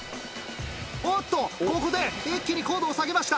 おっとここで一気に高度を下げました。